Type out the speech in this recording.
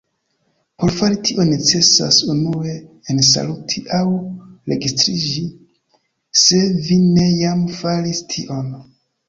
Por fari tion necesas unue ensaluti aŭ registriĝi, se vi ne jam faris tion.